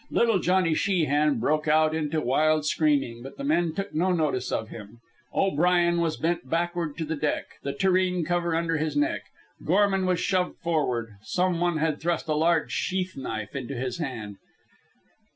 Little Johnny Sheehan broke out into wild screaming, but the men took no notice of him. O'Brien was bent backward to the deck, the tureen cover under his neck. Gorman was shoved forward. Some one had thrust a large sheath knife into his hand.